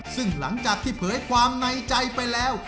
ซึ่งหลังจากที่เผยความในใจไปแล้ว